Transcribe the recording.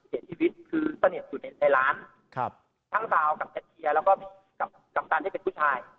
เหตุที่วิทย์คือเสนียมสุดเห็นในร้านครับทั้งสาวกับแล้วก็กับกำตันที่เป็นผู้ชาย